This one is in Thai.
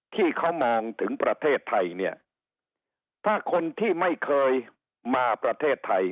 ที่เขามองถึงประเทศไทยเนี่ยถ้าคนที่ไม่เคยมาประเทศไทย